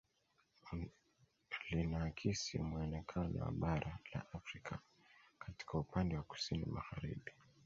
Linaakisi muonekano wa bara la Afrika katika upande wa kusini magharibi